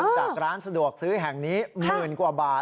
จากร้านสะดวกซื้อแห่งนี้หมื่นกว่าบาท